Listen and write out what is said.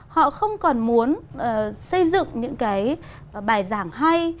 họ không còn muốn xây dựng những cái bài giảng hay